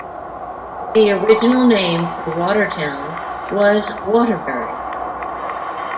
The original name for Watertown was Waterbury.